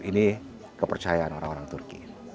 ini kepercayaan orang orang turki